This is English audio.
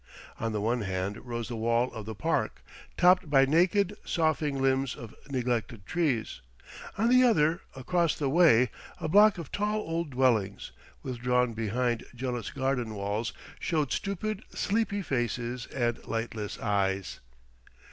On the one hand rose the wall of the park, topped by naked, soughing limbs of neglected trees; on the other, across the way, a block of tall old dwellings, withdrawn behind jealous garden walls, showed stupid, sleepy faces and lightless eyes.